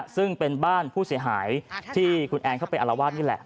ซึ่งเป็นบ้านผู้เสียหายที่คุณแอนเข้าไปอารวาสนี่แหละ